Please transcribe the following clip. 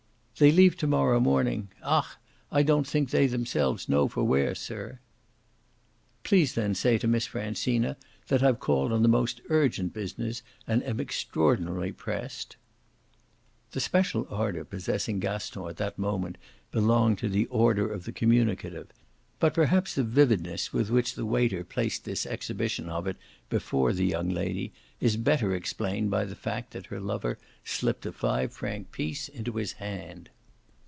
"They leave to morrow morning ach I don't think they themselves know for where, sir." "Please then say to Miss Francina that I've called on the most urgent business and am extraordinarily pressed." The special ardour possessing Gaston at that moment belonged to the order of the communicative, but perhaps the vividness with which the waiter placed this exhibition of it before the young lady is better explained by the fact that her lover slipped a five franc piece into his hand.